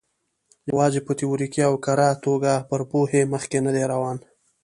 یوازې په تیوریکي او کره توګه پر پوهې مخکې نه دی روان.